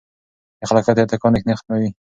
د خلاقیت ارتقا اندیښنې ختموي.